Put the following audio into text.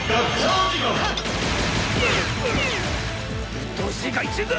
うっとうしい害虫だ！